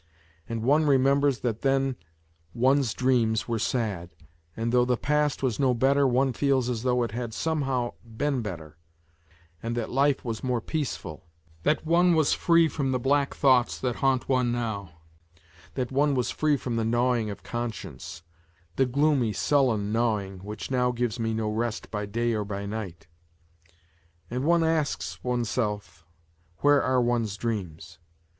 And one remembers that then one's dreams were sad, and though the past was no better one feels as though it had somehow been better, and that life was more peaceful, that one was free from the black thoughts that haunt one now ; that one was free from the gnawing of conscience the gloomy, sullen gnawing which now gives me no rest by day or by night. And one asks oneself where are one's dreams.